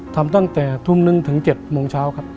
ทำตั้งแต่ทุ่มนึงถึง๗โมงเช้าครับ